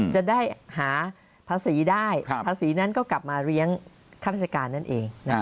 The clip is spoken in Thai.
จะได้หาภาษีได้ภาษีนั้นก็กลับมาเลี้ยงข้าราชการนั่นเอง